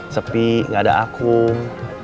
sepi gak ada akum